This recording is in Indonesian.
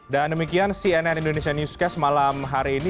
dan demikian cnn indonesia newscast malam hari ini